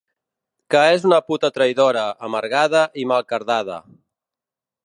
Que és una puta traïdora, amargada i mal cardada.